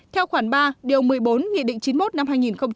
theo khoản ba điều một mươi bốn nghị định chín mươi một năm hai nghìn một mươi